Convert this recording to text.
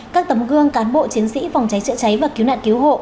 các tấm gương cán bộ chiến sĩ phòng cháy chữa cháy và cứu nạn cứu hộ